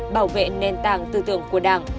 bảo vệ nền tảng tư tưởng của đảng